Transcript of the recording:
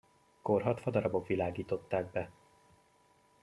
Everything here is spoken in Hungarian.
Korhadt fadarabok világították be.